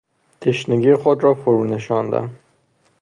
تشنگی خود را فرونشاندن